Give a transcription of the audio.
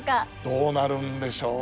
どうなるんでしょう？